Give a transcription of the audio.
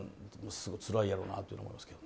つらいやろなと思います。